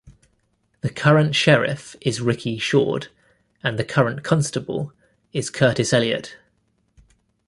The current Sheriff is Ricky Shourd and the current Constable is Curtis Elliot.